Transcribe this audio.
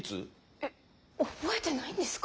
えっ覚えてないんですか？